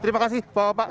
terima kasih bapak bapak